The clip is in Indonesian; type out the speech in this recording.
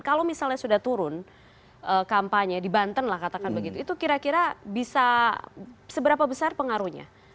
kalau misalnya sudah turun kampanye di banten lah katakan begitu itu kira kira bisa seberapa besar pengaruhnya